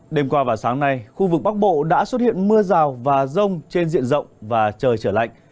đêm qua và sáng nay khu vực bắc bộ đã xuất hiện mưa rào và rông trên diện rộng và trời trở lạnh